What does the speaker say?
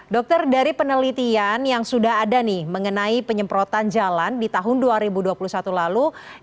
dokter dari penelitian yang sudah ada nih mengenai penyemprotan jalan di tahun dua ribu dua puluh satu lalu